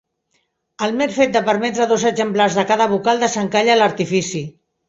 El mer fet de permetre dos exemplars de cada vocal desencalla l'artifici.